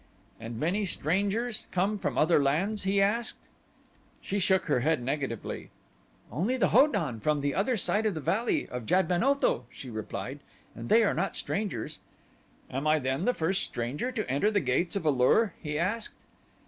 "And many strangers come from other lands?" he asked. She shook her head negatively. "Only the Ho don from the other side of the Valley of Jad ben Otho," she replied, "and they are not strangers." "Am I then the first stranger to enter the gates of A lur?" he asked.